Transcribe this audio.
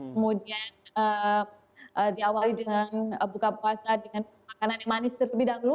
kemudian diawali dengan buka puasa dengan makanan yang manis terlebih dahulu